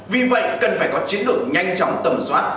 vì vậy cần phải có chiến lược nhanh chóng tẩm soát